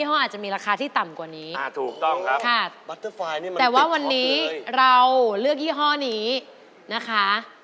เป็นผ่นผมก็คิดว่าอันนี้ถูกครับ